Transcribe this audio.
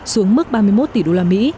xuống mức ba mươi một tỷ đô la mỹ